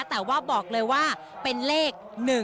แต่ว่าบอกเลยว่าเป็นเลข๑๒